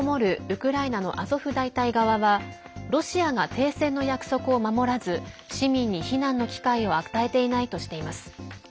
ウクライナのアゾフ大隊側はロシアが停戦の約束を守らず市民に避難の機会を与えていないとしています。